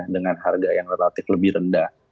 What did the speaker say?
dengan harga yang relatif lebih rendah